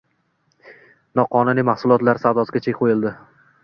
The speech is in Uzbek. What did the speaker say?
Noqonuniy mahsulotlar savdosiga chek qo‘yildi